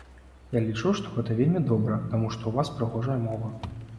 Я лічу, што гэта вельмі добра, таму што ў вас прыгожая мова.